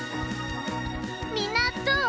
みんなどう？